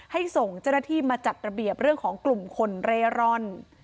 ส่งเจ้าหน้าที่มาจัดระเบียบเรื่องของกลุ่มคนเร่ร่อน